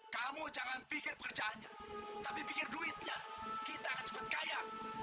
kamu jangan pikir pekerjaannya tapi pikir duitnya kita akan cepat kaya